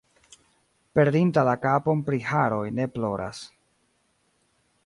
Perdinta la kapon pri haroj ne ploras.